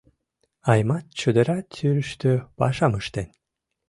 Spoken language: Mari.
Аймат чодыра тӱрыштӧ пашам ыштен.